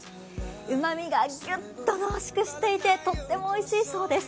うまみがギュッと濃縮していてとってもおいしいそうです。